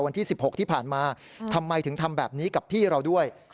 วันที่๑๖ที่ผ่านมาทำไมถึงทำแบบนี้กับพี่เราด้วย